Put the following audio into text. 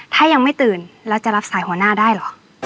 ถ้ายังไม่ตื่นแล้วจะรับสายหัวหน้าได้เหรอ